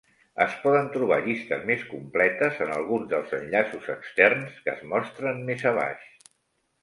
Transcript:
Es poden trobar llistes més completes en alguns del enllaços externs que es mostren més abaix.